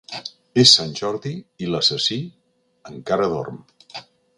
És Sant Jordi i l'assassí encara dorm.